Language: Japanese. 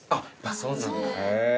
そうなんだへぇ。